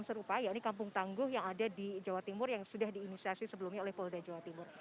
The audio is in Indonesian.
serupa ya ini kampung tangguh yang ada di jawa timur yang sudah diinisiasi sebelumnya oleh polda jawa timur